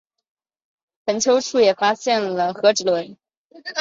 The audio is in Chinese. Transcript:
坟丘处也发现了和埴轮。